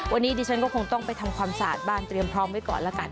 วันนี้ดิฉันก็คงต้องไปทำความสะอาดบ้านเตรียมพร้อมไว้ก่อนละกัน